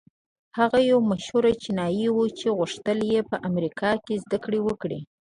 هغه يو مشهور چينايي و چې غوښتل يې په امريکا کې زدهکړې وکړي.